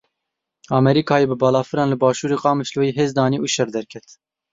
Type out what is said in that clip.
Amerîkayê bi balafiran li başûrê Qamişloyê hêz danî û şer derket.